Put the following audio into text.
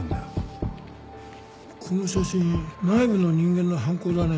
この写真内部の人間の犯行だね。